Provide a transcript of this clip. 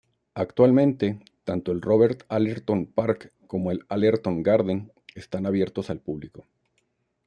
Actualmente, tanto el "Robert Allerton Park" como el "Allerton Garden" están abiertos al público.